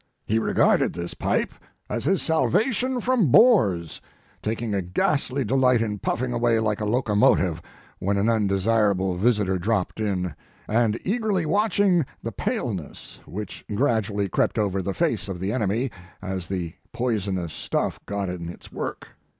He regarded this pipe as his salvation from bores, taking a ghastly delight in puffing away like a locomotive when an undesirable visitor dropped in, and eagerly watching the paleness which gradually crept over the face of the enemy as the poisonous stuff got in its work."